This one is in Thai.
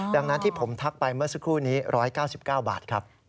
ดังนั้นที่ผมทักไปเมื่อสักครู่นี้๑๙๙บาทครับ